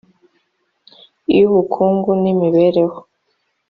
iy ubukungu n imibereho